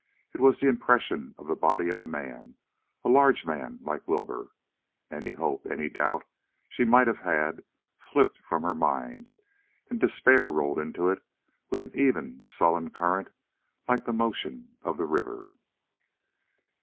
It was the impression of the body of a man a large man like Wilbur. Any hope, any doubt she might have had, slipped from her mind, and despair rolled into it with an even, sullen current, like the motion of the river.